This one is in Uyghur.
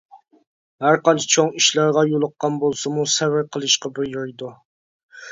ھەرقانچە چوڭ ئىشلارغا يولۇققان بولسىمۇ سەۋر قىلىشقا بۇيرۇيدۇ.